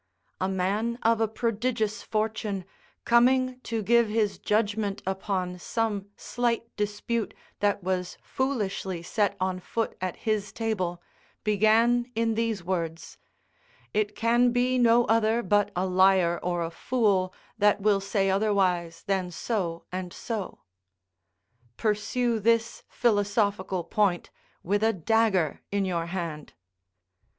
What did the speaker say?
A man of a prodigious fortune coming to give his judgment upon some slight dispute that was foolishly set on foot at his table, began in these words: "It can be no other but a liar or a fool that will say otherwise than so and so." Pursue this philosophical point with a dagger in your hand.